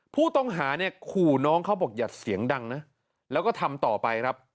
ผู้ต้องหาเนี่ยขู่น้องเขาบอกอย่าเสียงดังนะแล้วก็ทำต่อไปครับ